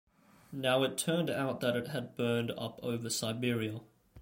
Now it turned out that it had burned up over Siberia.